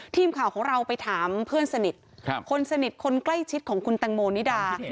ทีมข่าวของเราไปถามเพื่อนสนิทคนสนิทคนใกล้ชิดของคุณแตงโมนิดา